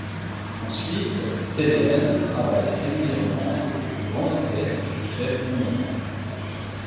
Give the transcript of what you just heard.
Ensuite, Thedéen travaille régulièrement avec les plus grands orchestres et chefs du monde.